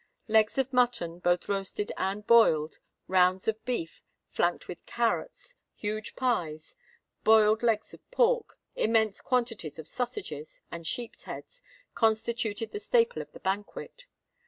Legs of mutton, both roasted and boiled,—rounds of beef, flanked with carrots,—huge pies,—boiled legs of pork,—immense quantities of sausages,—and sheep's heads, constituted the staple of the banquet.